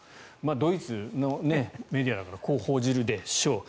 ドイツのメディアだからこう報じるでしょう。